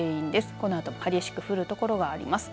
このあと激しく降るところがあります。